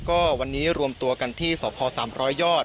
ก็วันนี้รวมตัวกันที่สพ๓๐๐ยอด